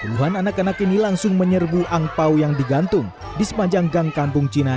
puluhan anak anak ini langsung menyerbu angpao yang digantung di sepanjang gang kampung cina